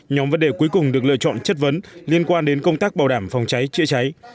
nhóm vấn đề cuối cùng được lựa chọn chất vấn liên quan đến công tác bảo đảm phòng cháy chữa cháy